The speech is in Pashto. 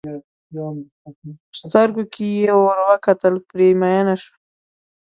په سترګو کې یې ور کتل پرې مینه شوه.